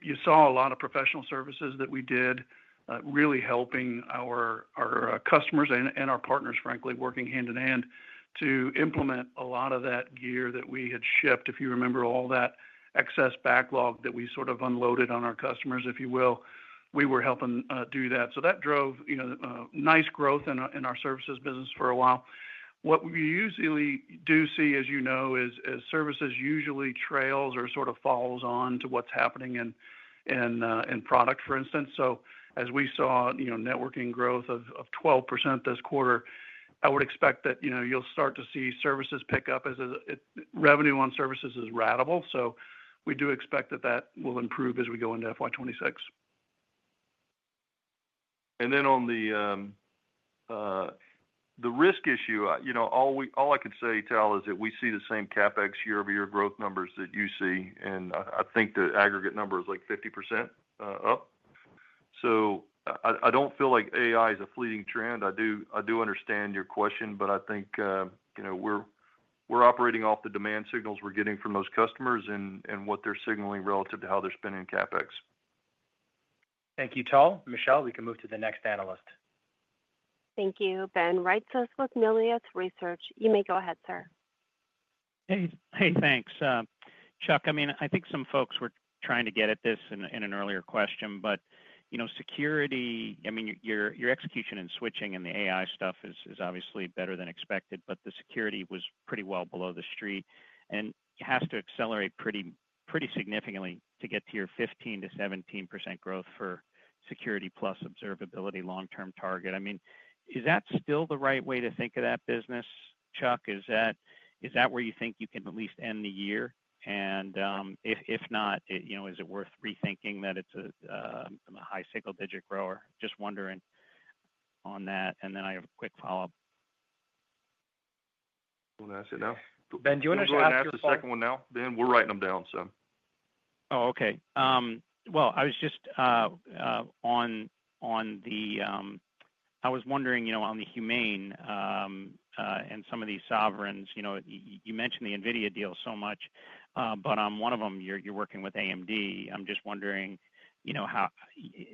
S4: you saw a lot of professional services that we did really helping our customers and our partners, frankly, working hand in hand to implement a lot of that gear that we had shipped. If you remember all that excess backlog that we sort of unloaded on our customers, if you will, we were helping do that. That drove nice growth in our services business for a while. What we usually do see, as you know, is services usually trails or sort of follows on to what's happening in product, for instance. As we saw networking growth of 12% this quarter, I would expect that you'll start to see services pick up as revenue on services is ratable. We do expect that will improve as we go into FY 2026.
S3: On the risk issue, all I could say, Tal, is that we see the same CapEx year-over-year growth numbers that you see. I think the aggregate number is like 50% up. I don't feel like AI is a fleeting trend. I do understand your question, but I think we're operating off the demand signals we're getting from those customers and what they're signaling relative to how they're spending CapEx.
S2: Thank you, Tal. Michelle, we can move to the next analyst.
S1: Thank you. Ben Wright, Cisco Systems, Melius Research. You may go ahead, sir.
S12: Hey, thanks. Chuck, I mean, I think some folks were trying to get at this in an earlier question, but you know, security, I mean, your execution in switching and the AI stuff is obviously better than expected, but the security was pretty well below the street and has to accelerate pretty significantly to get to your 15%-17% growth for security plus observability long-term target. I mean, is that still the right way to think of that business, Chuck? Is that where you think you can at least end the year? If not, you know, is it worth rethinking that it's a high single-digit grower? Just wondering on that. I have a quick follow-up.
S3: Want to ask it now?
S2: Ben, do you want to ask the question?
S12: I'll ask the second one now.
S3: Ben, we're writing them down.
S12: Okay. I was just on the, I was wondering, you know, on the Humane and some of these sovereigns, you know, you mentioned the NVIDIA deal so much, but on one of them, you're working with AMD. I'm just wondering, you know,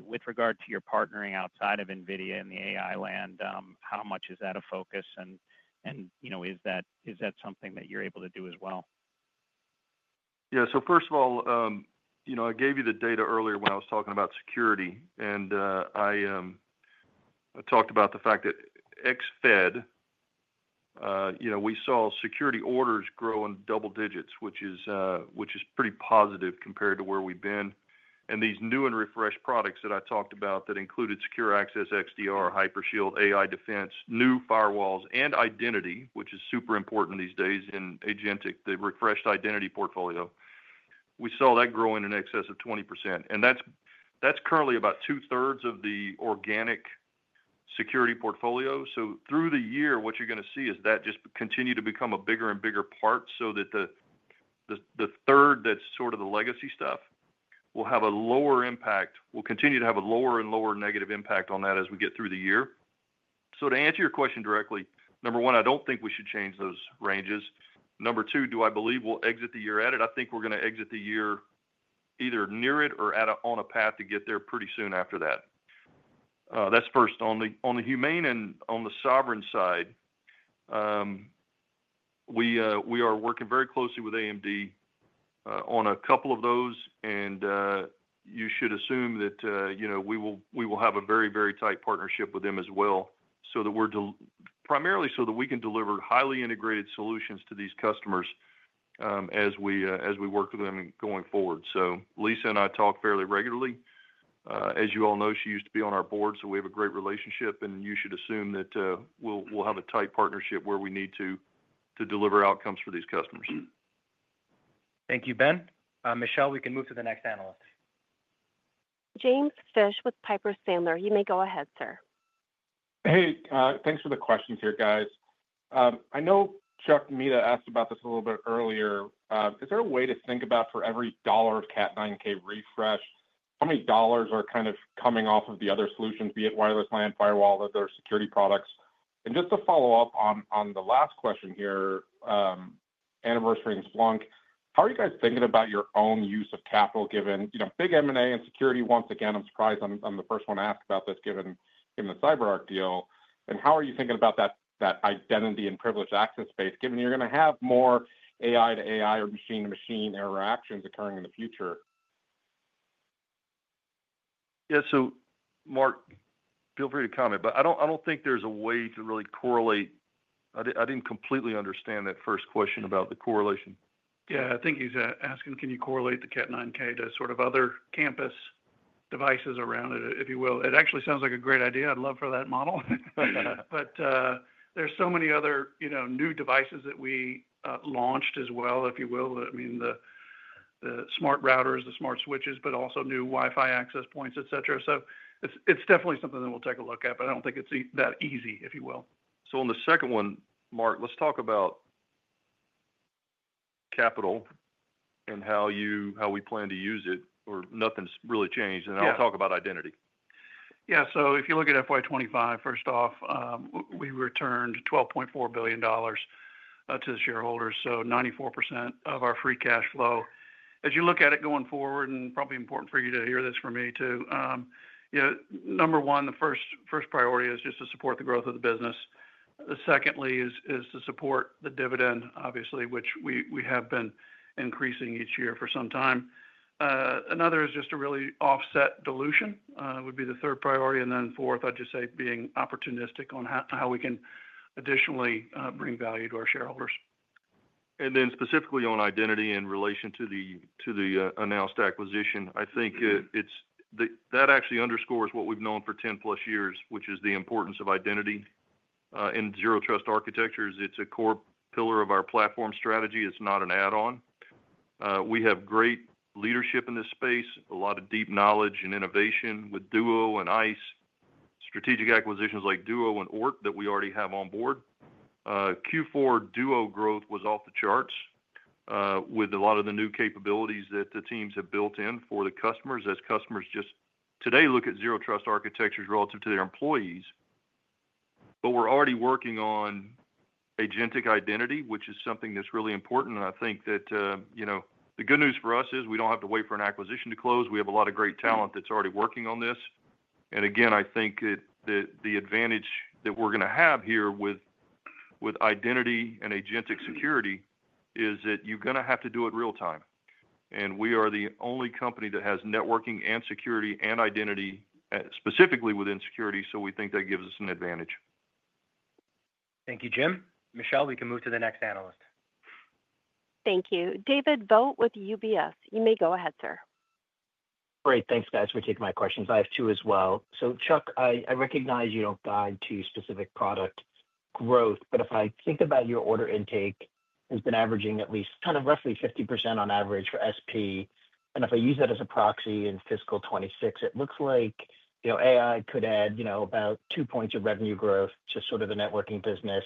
S12: with regard to your partnering outside of NVIDIA in the AI land, how much is that a focus? Is that something that you're able to do as well?
S3: Yeah, first of all, I gave you the data earlier when I was talking about security. I talked about the fact that ex-Fed, we saw security orders grow in double digits, which is pretty positive compared to where we've been. These new and refreshed products that I talked about included Secure Access, XDR, HyperShield, AI Defense, new firewalls, and Identity, which is super important these days in agentic, the refreshed Identity portfolio. We saw that grow in excess of 20%. That's currently about two-thirds of the organic security portfolio. Through the year, what you're going to see is that just continue to become a bigger and bigger part so that the third that's sort of the legacy stuff will have a lower impact, will continue to have a lower and lower negative impact on that as we get through the year. To answer your question directly, number one, I don't think we should change those ranges. Number two, do I believe we'll exit the year at it? I think we're going to exit the year either near it or on a path to get there pretty soon after that. That's first. On the Humane and on the sovereign side, we are working very closely with AMD on a couple of those. You should assume that we will have a very, very tight partnership with them as well, primarily so that we can deliver highly integrated solutions to these customers as we work with them going forward. Lisa and I talk fairly regularly. As you all know, she used to be on our board, so we have a great relationship. You should assume that we'll have a tight partnership where we need to deliver outcomes for these customers.
S2: Thank you, Ben. Michelle, we can move to the next analyst.
S1: James Fish with Piper Sandler, you may go ahead, sir.
S13: Hey, thanks for the questions here, guys. I know Chuck, Meta asked about this a little bit earlier. Is there a way to think about for every dollar of Cat 9K refresh, how many dollars are kind of coming off of the other solutions, be it wireless LAN, firewall, or other security products? To follow up on the last question here, anniversary in Splunk, how are you guys thinking about your own use of capital, given, you know, big M&A and security? Once again, I'm surprised I'm the first one to ask about this, given the CyberArk deal. How are you thinking about that identity and privilege access space, given you're going to have more AI to AI or machine to machine interactions occurring in the future?
S3: Yeah, Mark, feel free to comment, but I don't think there's a way to really correlate. I didn't completely understand that first question about the correlation.
S4: Yeah, I think he's asking, can you correlate the Cat 9K to sort of other campus devices around it, if you will? It actually sounds like a great idea. I'd love for that model. Yeah, there are so many other new devices that we launched as well, if you will. I mean, the smart routers, the Cisco C9000 Smart Switches, but also new Wi-Fi access points, etc. It's definitely something that we'll take a look at. I don't think it's that easy, if you will.
S3: On the second one, Mark, let's talk about capital and how we plan to use it. Nothing's really changed. I'll talk about Identity.
S4: Yeah, so if you look at FY 2025, first off, we returned $12.4 billion to the shareholders, so 94% of our free cash flow. As you look at it going forward, and probably important for you to hear this from me too, you know, number one, the first priority is just to support the growth of the business. Secondly is to support the dividend, obviously, which we have been increasing each year for some time. Another is just to really offset dilution, would be the third priority. Fourth, I'd just say being opportunistic on how we can additionally bring value to our shareholders.
S3: Specifically on Identity in relation to the announced acquisition, I think that actually underscores what we've known for 10+ years, which is the importance of Identity in zero trust architectures. It's a core pillar of our platform strategy, not an add-on. We have great leadership in this space, a lot of deep knowledge and innovation with Duo and ISE, strategic acquisitions like Duo and Ork that we already have on board. Q4, Duo growth was off the charts with a lot of the new capabilities that the teams have built in for the customers as customers just today look at zero trust architectures relative to their employees. We're already working on agentic Identity, which is something that's really important. The good news for us is we don't have to wait for an acquisition to close. We have a lot of great talent that's already working on this. I think that the advantage that we're going to have here with Identity and agentic security is that you're going to have to do it real time. We are the only company that has networking and security and Identity specifically within security. We think that gives us an advantage.
S2: Thank you, Jim. Michelle, we can move to the next analyst.
S1: Thank you. David Vogt with UBS. You may go ahead, sir.
S14: Great. Thanks, guys, for taking my questions. I have two as well. Chuck, I recognize you don't guide to specific product growth, but if I think about your order intake, it's been averaging at least roughly 50% on average for service provider. If I use that as a proxy in fiscal 2026, it looks like AI could add about two points of revenue growth to the networking business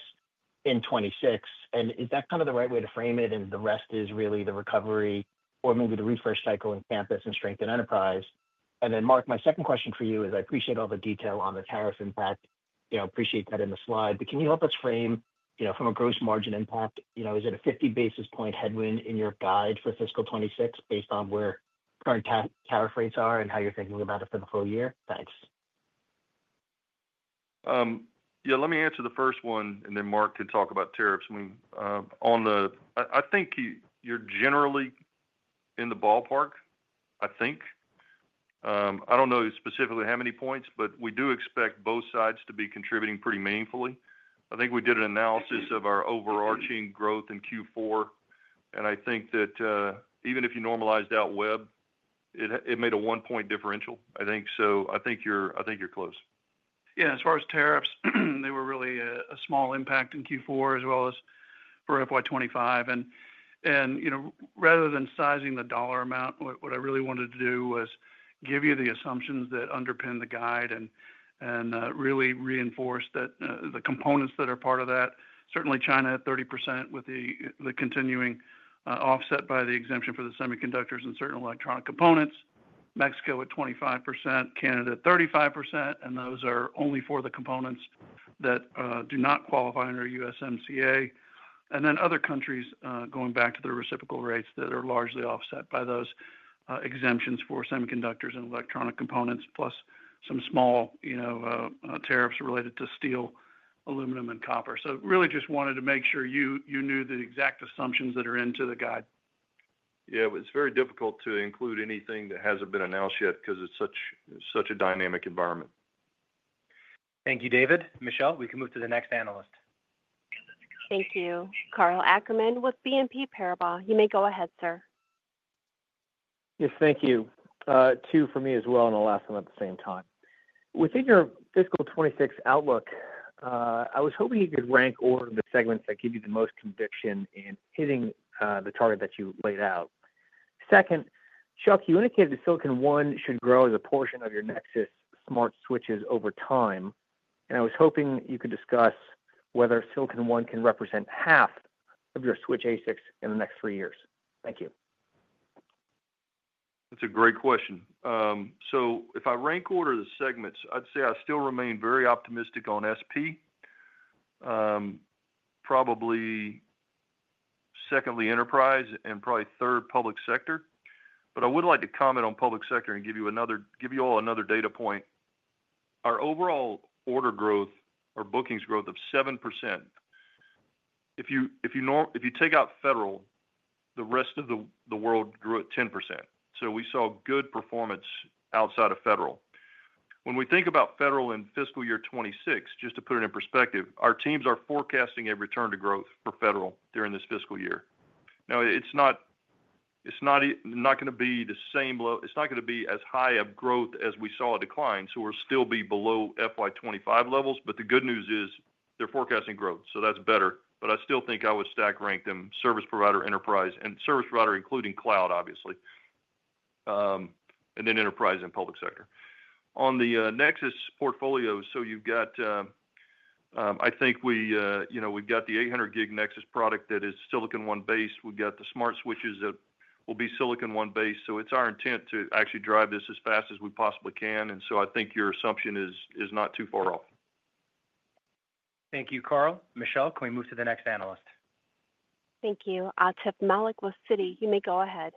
S14: in 2026. Is that the right way to frame it? The rest is really the recovery or maybe the refresh cycle in campus and strength in enterprise. Mark, my second question for you is I appreciate all the detail on the tariff impact. I appreciate that in the slide, but can you help us frame, from a gross margin impact, is it a 50 basis point headwind in your guide for fiscal 2026 based on where current tariff rates are and how you're thinking about it for the full year? Thanks.
S3: Let me answer the first one and then Mark can talk about tariffs. I think you're generally in the ballpark. I don't know specifically how many points, but we do expect both sides to be contributing pretty meaningfully. I think we did an analysis of our overarching growth in Q4, and I think that even if you normalized out web, it made a one-point differential. I think you're close.
S4: As far as tariffs, they were really a small impact in Q4 as well as for FY 2025. Rather than sizing the dollar amount, what I really wanted to do was give you the assumptions that underpin the guide and really reinforce the components that are part of that. Certainly, China at 30% with the continuing offset by the exemption for the semiconductors and certain electronic components, Mexico at 25%, Canada at 35%. Those are only for the components that do not qualify under USMCA. Other countries, going back to the reciprocal rates that are largely offset by those exemptions for semiconductors and electronic components, plus some small tariffs related to steel, aluminum, and copper. I just wanted to make sure you knew the exact assumptions that are into the guide.
S3: Yeah, it was very difficult to include anything that hasn't been announced yet because it's such a dynamic environment.
S2: Thank you, David. Michelle, we can move to the next analyst.
S1: Thank you. Karl Ackerman with BNP Paribas. You may go ahead, sir.
S15: Yes, thank you. Two for me as well, and I'll ask them at the same time. Within your fiscal 2026 outlook, I was hoping you could rank order the segments that give you the most conviction in hitting the target that you laid out. Second, Chuck, you indicated that Silicon One should grow as a portion of your Nexus Smart Switches over time. I was hoping you could discuss whether Silicon One can represent half of your Switch ASICs in the next three years. Thank you.
S3: That's a great question. If I rank order the segments, I'd say I still remain very optimistic on service provider. Probably secondly enterprise and probably third public sector. I would like to comment on public sector and give you all another data point. Our overall order growth or bookings growth of 7%. If you take out federal, the rest of the world grew at 10%. We saw good performance outside of federal. When we think about federal in fiscal year 2026, just to put it in perspective, our teams are forecasting a return to growth for federal during this fiscal year. It's not going to be the same level. It's not going to be as high of growth as we saw a decline. We'll still be below FY 2025 levels. The good news is they're forecasting growth. That's better. I still think I would stack rank them service provider, enterprise, and service provider including cloud, obviously, and then enterprise and public sector. On the Nexus portfolio, I think we've got the 800 gig Nexus product that is Silicon One based. We've got the smart switches that will be Silicon One based. It's our intent to actually drive this as fast as we possibly can. I think your assumption is not too far off.
S2: Thank you, Karl. Michelle, can we move to the next analyst?
S1: Thank you. Atif Malik with Citi. You may go ahead.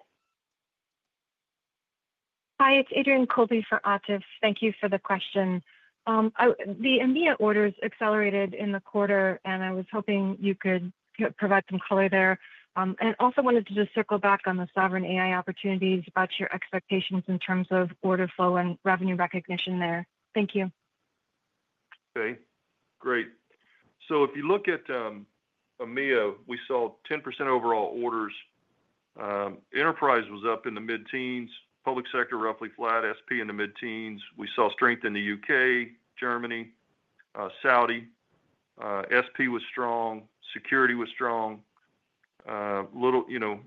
S16: Hi, it's Adrienne Colby for Atif. Thank you for the question. The EMEA orders accelerated in the quarter, and I was hoping you could provide some color there. I also wanted to just circle back on the sovereign AI opportunities about your expectations in terms of order flow and revenue recognition there. Thank you.
S3: Okay, great. If you look at EMEA, we saw 10% overall orders. Enterprise was up in the mid-teens. Public sector roughly flat. SP in the mid-teens. We saw strength in the U.K., Germany, Saudi. SP was strong. Security was strong. Obviously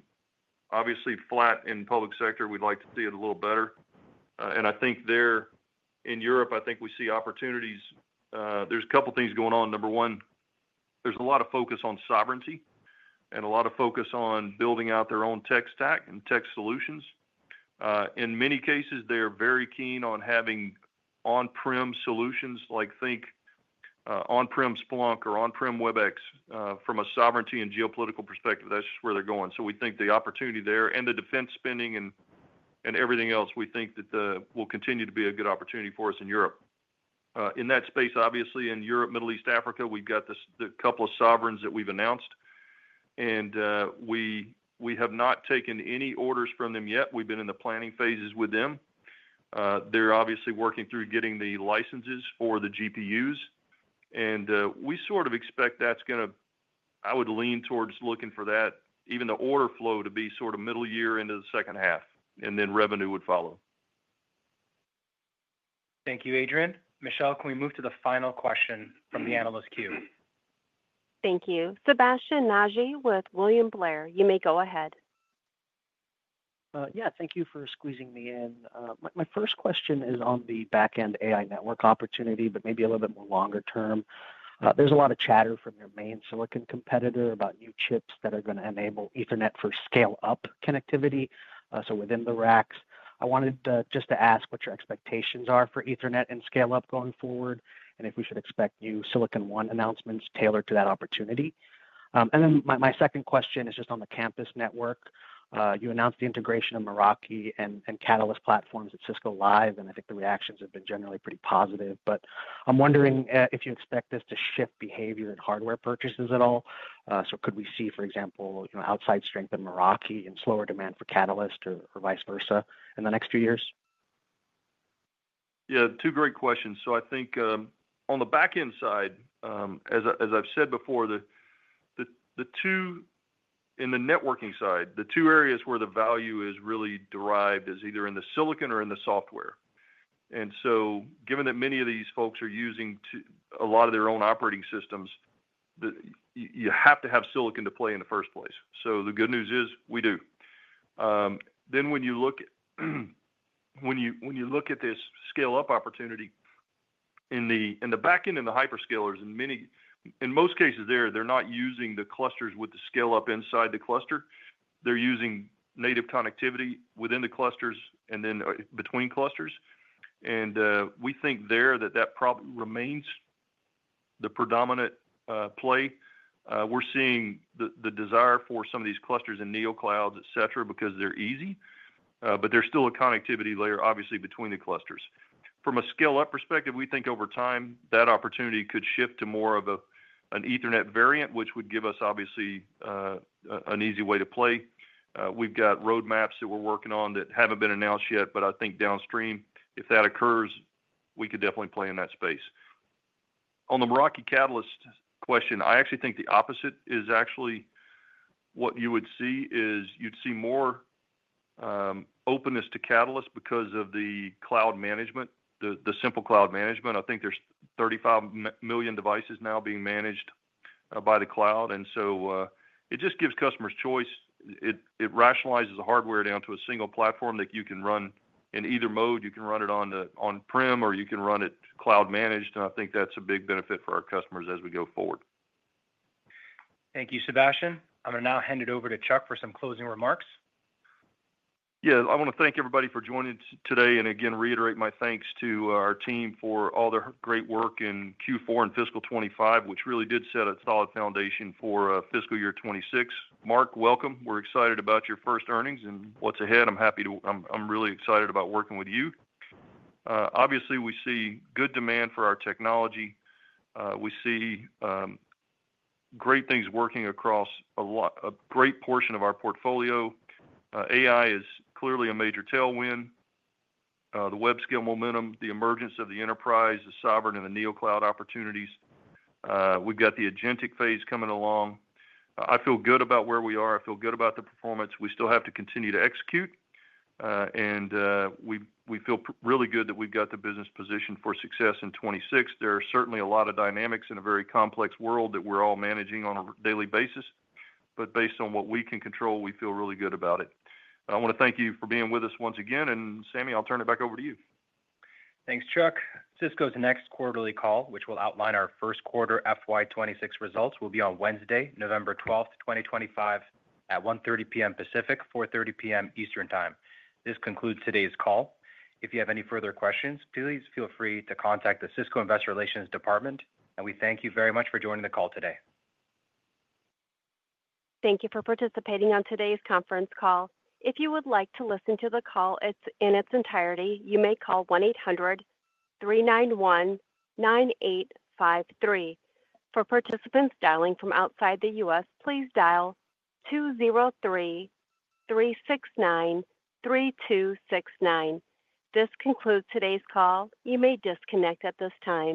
S3: flat in public sector. We'd like to see it a little better. I think there in Europe, we see opportunities. There's a couple of things going on. Number one, there's a lot of focus on sovereignty and a lot of focus on building out their own tech stack and tech solutions. In many cases, they're very keen on having on-prem solutions, like think on-prem Splunk or on-prem Webex from a sovereignty and geopolitical perspective. That's just where they're going. We think the opportunity there and the defense spending and everything else, we think that will continue to be a good opportunity for us in Europe. In that space, in Europe, Middle East, Africa, we've got a couple of sovereigns that we've announced. We have not taken any orders from them yet. We've been in the planning phases with them. They're working through getting the licenses for the GPUs. We expect that's going to, I would lean towards looking for that, even the order flow to be middle year into the second half. Revenue would follow.
S2: Thank you, Adrienne. Michelle, can we move to the final question from the analyst queue?
S1: Thank you. Sebastian Naji with William Blair. You may go ahead.
S17: Thank you for squeezing me in. My first question is on the backend AI network opportunity, but maybe a little bit more longer term. There's a lot of chatter from your main Silicon competitor about new chips that are going to enable Ethernet for scale-up connectivity. Within the racks, I wanted to ask what your expectations are for Ethernet and scale-up going forward, and if we should expect new Silicon One announcements tailored to that opportunity. My second question is on the campus network. You announced the integration of Meraki and Catalyst platforms at Cisco Live, and I think the reactions have been generally pretty positive. I'm wondering if you expect this to shift behavior in hardware purchases at all. Could we see, for example, outside strength in Meraki and slower demand for Catalyst or vice versa in the next two years?
S3: Yeah, two great questions. I think on the backend side, as I've said before, in the networking side, the two areas where the value is really derived is either in the Silicon or in the software. Given that many of these folks are using a lot of their own operating systems, you have to have Silicon to play in the first place. The good news is we do. When you look at this scale-up opportunity in the backend and the hyperscalers, in most cases, they're not using the clusters with the scale-up inside the cluster. They're using native connectivity within the clusters and then between clusters. We think there that probably remains the predoMetant play. We're seeing the desire for some of these clusters in NeoClouds, et cetera, because they're easy. There's still a connectivity layer, obviously, between the clusters. From a scale-up perspective, we think over time that opportunity could shift to more of an Ethernet variant, which would give us obviously an easy way to play. We've got roadmaps that we're working on that haven't been announced yet, but I think downstream, if that occurs, we could definitely play in that space. On the Meraki Catalyst question, I actually think the opposite is what you would see. You'd see more openness to Catalyst because of the cloud management, the simple cloud management. I think there's 35 million devices now being managed by the cloud. It just gives customers choice. It rationalizes the hardware down to a single platform that you can run in either mode. You can run it on-prem or you can run it cloud managed. I think that's a big benefit for our customers as we go forward.
S2: Thank you, Sebastian. I'm going to now hand it over to Chuck for some closing remarks.
S3: Yeah, I want to thank everybody for joining today and again reiterate my thanks to our team for all their great work in Q4 and fiscal 2025, which really did set a solid foundation for fiscal year 2026. Mark, welcome. We're excited about your first earnings and what's ahead. I'm happy to, I'm really excited about working with you. Obviously, we see good demand for our technology. We see great things working across a great portion of our portfolio. AI is clearly a major tailwind. The web-scale momentum, the emergence of the enterprise, the sovereign, and the NeoCloud opportunities. We've got the agentic phase coming along. I feel good about where we are. I feel good about the performance. We still have to continue to execute. We feel really good that we've got the business positioned for success in 2026. There are certainly a lot of dynamics in a very complex world that we're all managing on a daily basis. Based on what we can control, we feel really good about it. I want to thank you for being with us once again. Sami, I'll turn it back over to you.
S2: Thanks, Chuck. Cisco's next quarterly call, which will outline our first quarter FY 2026 results, will be on Wednesday, November 12, 2025, at 1:30 P.M. Pacific, 4:30 P.M. Eastern Time. This concludes today's call. If you have any further questions, please feel free to contact the Cisco Investor Relations Department. We thank you very much for joining the call today.
S1: Thank you for participating on today's conference call. If you would like to listen to the call in its entirety, you may call 1-800-391-9853. For participants dialing from outside the U.S., please dial 203-369-3269. This concludes today's call. You may disconnect at this time.